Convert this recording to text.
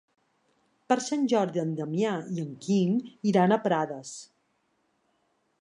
Per Sant Jordi en Damià i en Quim iran a Prades.